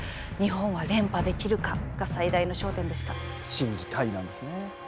心技体なんですね。